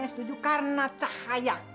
aku kerja dulu ya